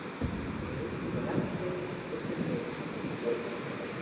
El último lance es el del "juego".